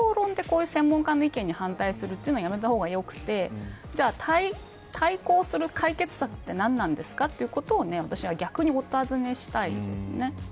だから結局、感情論でこういう専門家の意見に反対するというのはやめた方がよくてじゃあ対抗する解決策って何なんですかということを私は、逆にお尋ねしたいですね。